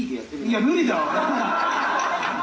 いや無理だわ！